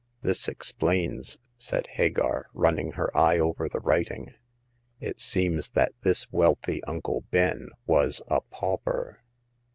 " This explains," said Hagar, running her eye over the writing. It seems that this wealthy Uncle Ben was a pauper.